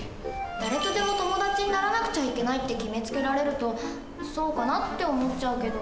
「誰とでも友達にならなくちゃいけない」って決めつけられると「そうかな？」って思っちゃうけど。